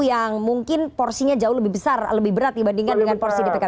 yang mungkin porsinya jauh lebih besar lebih berat dibandingkan dengan porsi di pkb